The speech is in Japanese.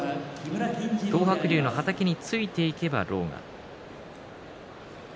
東白龍のはたきについていけば狼雅。